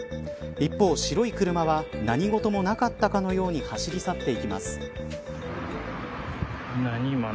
一方、白い車は何事もなかったかのように走り去っていきます。